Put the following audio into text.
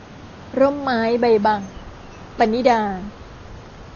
ร่มไม้ใบบัง - ปณิดา